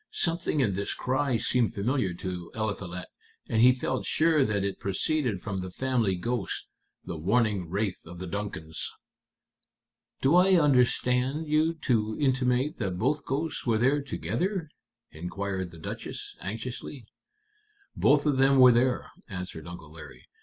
Something in this cry seemed familiar to Eliphalet, and he felt sure that it proceeded from the family ghost, the warning wraith of the Duncans." "Do I understand you to intimate that both ghosts were there together?" inquired the Duchess, anxiously. "Both of them were there," answered Uncle Larry.